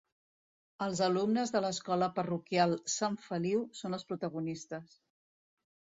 Els alumnes de l'escola parroquial "Sant Feliu" són els protagonistes.